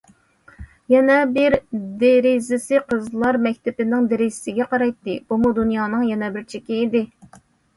يەنە بىر دېرىزىسى قىزلار مەكتىپىنىڭ دېرىزىسىگە قارايتتى، بۇمۇ دۇنيانىڭ يەنە بىر چېكى ئىدى.